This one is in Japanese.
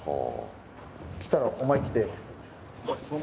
来たら、お前来て。